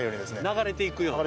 流れていくように。